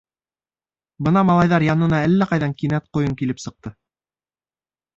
Бына малайҙар янына әллә ҡайҙан кинәт ҡойон килеп сыҡты.